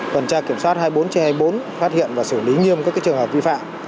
tuần tra kiểm soát hai mươi bốn trên hai mươi bốn phát hiện và xử lý nghiêm các trường hợp vi phạm